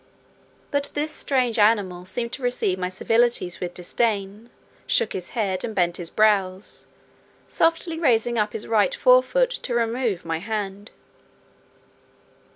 But this animal seemed to receive my civilities with disdain, shook his head, and bent his brows, softly raising up his right fore foot to remove my hand.